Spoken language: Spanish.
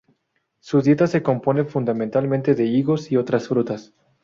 Su dieta se compone fundamentalmente de higos y otras frutas.